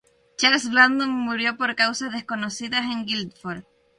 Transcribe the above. Charles Brandon murió por causas desconocidas en Guildford.